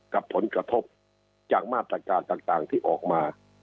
กับผลกระทบจากมาตรการต่างที่ออกมา